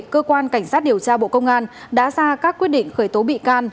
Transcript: cơ quan cảnh sát điều tra bộ công an đã ra các quyết định khởi tố bị can